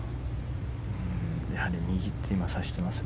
やはり右と今指していますね